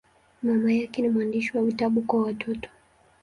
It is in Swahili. Mama yake ni mwandishi wa vitabu kwa watoto.